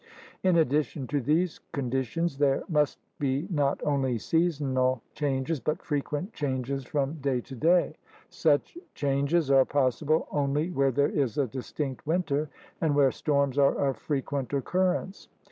In addition to these conditions there must be not only seasonal changes, but frequent changes from day to day. Such changes are possible only where there is a distinct winter and where storms are of frequent occurrence.